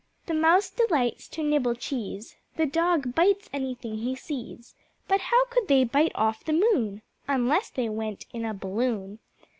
The Mouse delights to nibble cheese, The Dog bites anything he sees But how could they bite off the Moon Unless they went in a balloon?